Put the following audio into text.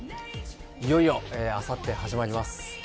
いよいよあさって始まります。